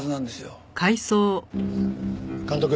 監督。